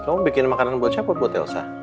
kamu bikin makanan buat siapa buat elsa